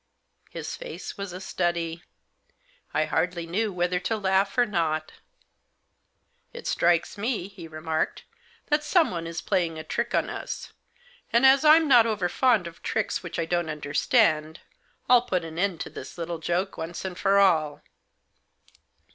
His face was a study. I hardly knew whether to laugh or not "It strikes me," he remarked, "that someone is playing a trick on us ; and, as I'm not over fond of tricks which I don't understand, I'll put an end to this little joke once and for all."